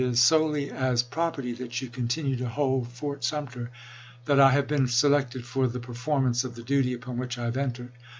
is solely as property that you continue to hold Fort Sum ter, that I have been selected for the performance of the duty upon which I have entered.